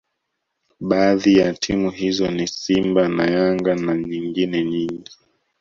baadhi ya timu hizo ni simba na yanga na nyengine nyingi